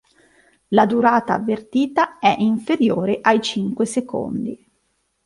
La durata avvertita è inferiore ai cinque secondi.